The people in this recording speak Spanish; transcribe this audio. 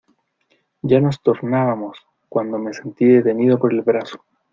ya nos tornábamos, cuando me sentí detenido por el brazo.